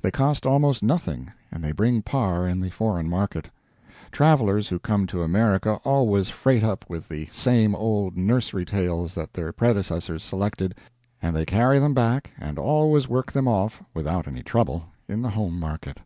They cost almost nothing and they bring par in the foreign market. Travelers who come to America always freight up with the same old nursery tales that their predecessors selected, and they carry them back and always work them off without any trouble in the home market.